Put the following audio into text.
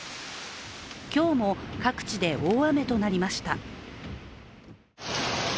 今日も各地で大雨となりました。